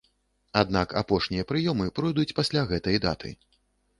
Аднак апошнія прыёмы пройдуць пасля гэтай даты.